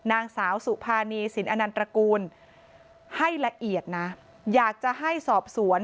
นางสาวสุภานีสินอนันตระกูลให้ละเอียดนะอยากจะให้สอบสวน